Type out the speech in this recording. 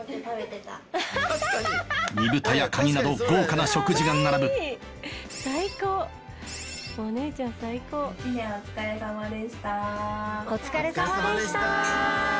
煮豚やカニなど豪華な食事が並ぶお疲れさまでした。